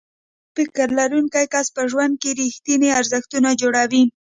مثبت فکر لرونکی کس په ژوند کې رېښتيني ارزښتونه جوړوي.